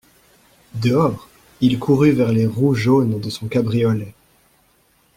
Dehors, il courut vers les roues jaunes de son cabriolet.